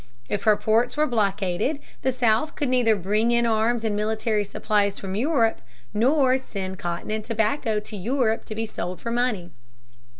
If her ports were blockaded the South could neither bring in arms and military supplies from Europe, nor send cotton and tobacco to Europe to be sold for money.